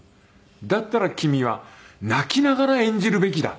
「だったら君は泣きながら演じるべきだ」って。